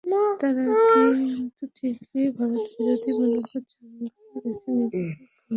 তারা কিন্তু ঠিকই ভারতবিরোধী মনোভাব চাঙা রেখে নিজেদের ক্ষমতা বজায় রাখছে।